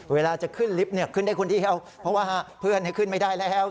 เวลาจะขึ้นลิฟต์ขึ้นได้คนที่เพื่อนขึ้นไม่ได้แล้ว